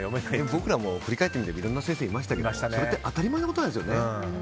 僕らも、振り返ってみるといろんな先生がいましたがそれって当たり前のことなんですよね。